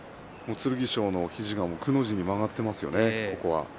剣翔の肘がくの字に曲がっていますね。